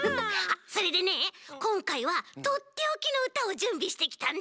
それでねこんかいはとっておきのうたをじゅんびしてきたんだ。